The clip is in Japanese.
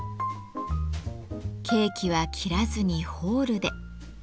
ケーキは切らずにホールで。